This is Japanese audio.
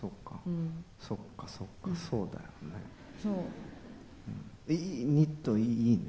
そっかそっかそうだよね。